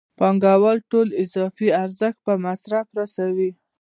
پانګوال ټول اضافي ارزښت په مصرف رسوي